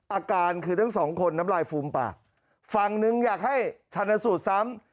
อาการคือทั้งสองคนน้ำลายฟูมปากฝั่งหนึ่งอยากให้ชันสูตรซ้ำ